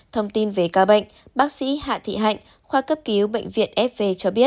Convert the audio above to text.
thông tin về ca bệnh bác sĩ hạ thị hạnh khoa cấp cứu bệnh viện fv cho biết